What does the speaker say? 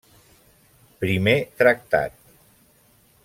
Primer tractat.